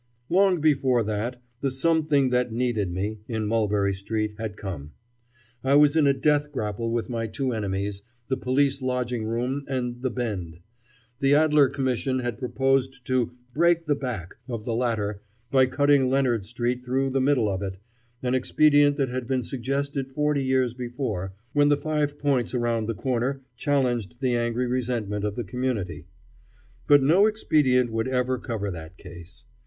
Long before that the "something that needed me" in Mulberry Street had come. I was in a death grapple vith my two enemies, the police lodging room and the Bend. The Adler Commission had proposed to "break the back" of the latter by cutting Leonard Street through the middle of it an expedient that had been suggested forty years before, when the Five Points around the corner challenged the angry resentment of the community. But no expedient would ever cover that case.